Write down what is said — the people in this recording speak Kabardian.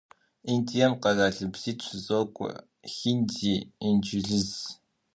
Индием къэралыбзитӀ щызокӀуэ: хинди, инджылыз.